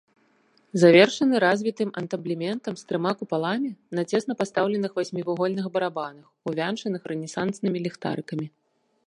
Завершаны развітым антаблементам з трыма купаламі на цесна пастаўленых васьмівугольных барабанах, увянчаных рэнесанснымі ліхтарыкамі.